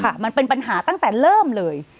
มันเป็นปัญหาตั้งแต่เริ่มเลย